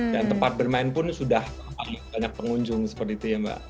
dan tempat bermain pun sudah banyak pengunjung seperti itu ya mbak